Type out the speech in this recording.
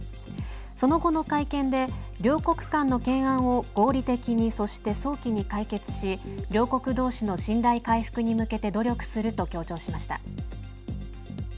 その後の会見で両国間の懸案を合理的にそして早期に解決し両国どうしの信頼回復に向けて努力すると強調しました。